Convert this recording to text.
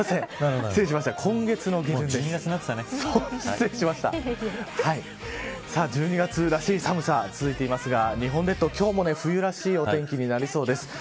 さあ、１２月らしい寒さ続いていますが日本列島、今日も冬らしいお天気になりそうです。